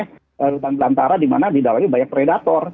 hutan telantara di mana di dalamnya banyak predator